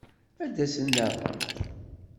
Ad d-asen daɣen?